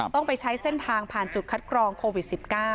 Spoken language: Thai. ต้องไปใช้เส้นทางผ่านจุดคัดกรองโควิด๑๙